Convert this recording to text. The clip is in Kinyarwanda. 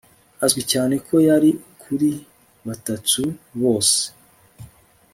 Azwi cyane ko yari kuri Batatu bose